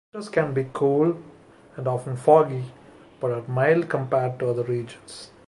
Winters can be cool, and often foggy, but are mild compared to other regions.